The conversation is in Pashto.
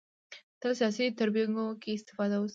تل سیاسي تربګنیو کې استفاده وشي